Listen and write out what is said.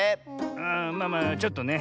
ああまあまあちょっとね。